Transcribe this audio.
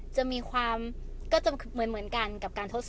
เพราะว่าช่วงนี้คุณรถมุ่นแต่เขาจะทำอะไร